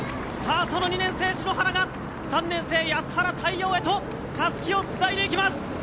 その２年生、篠原が３年生、安原太陽へとたすきをつないでいきます。